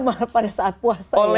selama pada saat puasa